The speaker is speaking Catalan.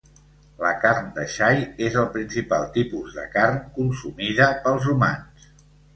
La carn de xai és el principal tipus de carn consumida pels humans.